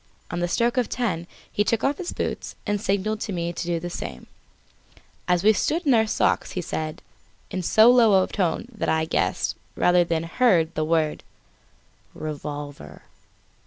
On the stroke of ten he took off his boots and signalled to me to do the same. As we stood in our socks he said, in so low a tone that I guessed, rather than heard, the word: "Revolver."